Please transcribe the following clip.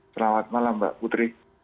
selamat malam mbak putri